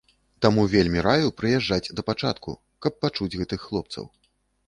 Таму вельмі раю прыязджаць да пачатку, каб пачуць гэтых хлопцаў.